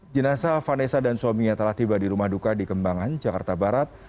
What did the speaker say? jenasa vanessa dan suaminya telah tiba di rumah duka di kembangan jakarta barat